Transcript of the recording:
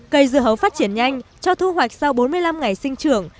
cây dưa hấu phát triển nhanh cho thu hoạch sau bốn mươi năm ngày sinh trưởng